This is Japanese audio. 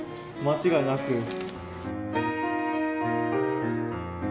間違いなく。